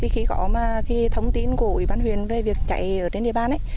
khi có thông tin của ủy ban huyền về việc chạy ở trên địa phương